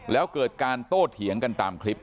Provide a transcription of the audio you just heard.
แล้วเกิดการโต้เถียงกันตามคลิป